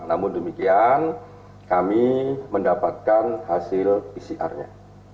namun demikian kami mendapatkan hasil pcr nya